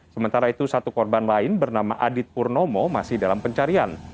sementara itu satu korban lain bernama adit purnomo masih dalam pencarian